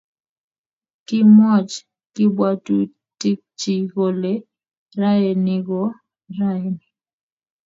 Kimwoch kabwatutikchi kole raini ko raini